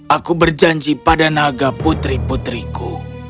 aku berjanji pada naga putri putriku